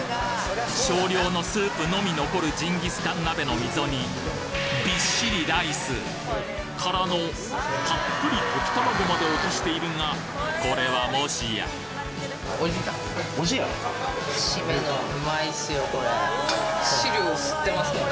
少量のスープのみ残るジンギスカン鍋の溝にびっしりライス。からのたっぷり溶き卵まで落としているがこれはもしや・うまいっすよ